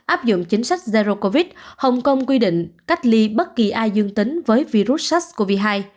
áp dụng chính sách zero covid hồng kông quy định cách ly bất kỳ ai dương tính với virus sars cov hai